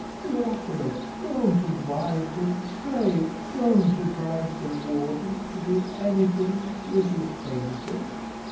Theophilus, don't advise him, pray don't advise the warden to do anything which is painful."